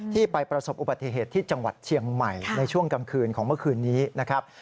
ไปประสบอุบัติเหตุที่จังหวัดเชียงใหม่ในช่วงกลางคืนของเมื่อคืนนี้นะครับ